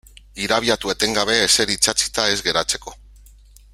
Irabiatu etengabe ezer itsatsita ez geratzeko.